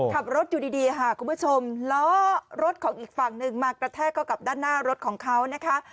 ขับรถอยู่ดีค่ะคุณผู้ชมล้อรถของอีกฝั่งหนึ่งมากระแทกเข้ากับด้านหน้ารถของเขานะคะ